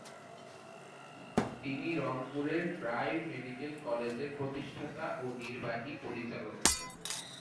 তিনি রংপুরের prime medical কলেজের প্রতিষ্ঠাতা ও নির্বাহী পরিচালক।